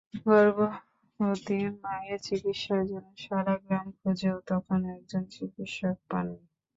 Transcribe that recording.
গর্ভবতী মায়ের চিকিৎসার জন্য সারা গ্রাম খুঁজেও তখন একজন চিকিৎসক পাননি।